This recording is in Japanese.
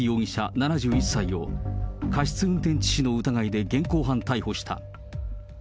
７１歳を過失運転致死の疑いで現行犯逮捕した。